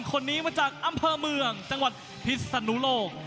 คนนี้มาจากอำเภอเมืองจังหวัดพิษนุโลก